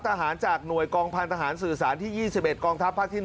ทหารจากหน่วยกองพันธหารสื่อสารที่๒๑กองทัพภาคที่๑